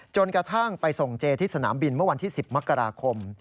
จนกระทั่งไปส่งเจที่สนามบินเมื่อวันที่๑๐มกราคม